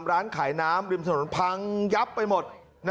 ร้านขายน้ำริมถนนพังยับไปหมด